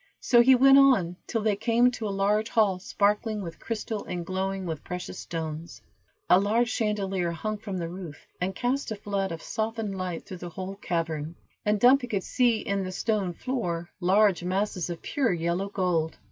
So he went on till they came to a large hall sparkling with crystal, and glowing with precious stones. A large chandelier hung from the roof, and cast a flood of softened light through the whole cavern, and Dumpy could see in the stone floor large masses of pure yellow gold.